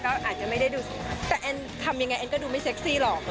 ก็อาจจะไม่ได้ดูแต่แอนทำยังไงแอนก็ดูไม่เซ็กซี่หรอก